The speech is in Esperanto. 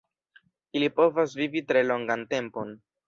Ili povas vivi tre longan tempon.